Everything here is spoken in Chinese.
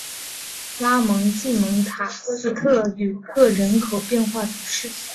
拉蒙济蒙塔斯特吕克人口变化图示